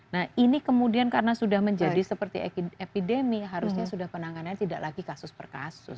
nah ini kemudian karena sudah menjadi seperti epidemi harusnya sudah penanganannya tidak lagi kasus per kasus